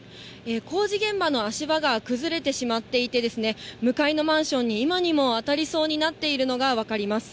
工事現場の足場が崩れてしまっていてですね、向かいのマンションに今にも当たりそうになっているのが分かります。